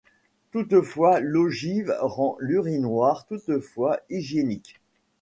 De plus l'ogive rend l'urinoir totalement hygiénique.